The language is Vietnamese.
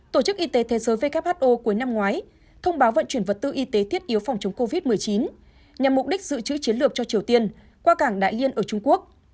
tổ chức y tế thế giới who cuối năm ngoái thông báo vận chuyển vật tư y tế thiết yếu phòng chống covid một mươi chín nhằm mục đích giữ chữ chiến lược cho triều tiên qua cảng đại liên ở trung quốc